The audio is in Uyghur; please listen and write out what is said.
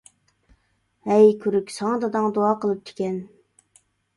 ھەي كۈرۈك، ساڭا داداڭ دۇئا قىلىپتىكەن.